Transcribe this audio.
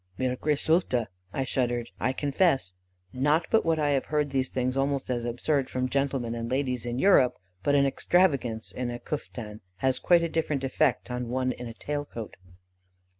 "'Mir gruselte' (I shuddered), I confess; not but what I have heard things almost as absurd from gentlemen and ladies in Europe, but an 'extravagance' in a kuftan has quite a different effect from one in a tail coat.